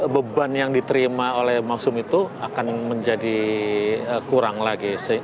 beban yang diterima oleh mumsum itu akan menjadi kurang lagi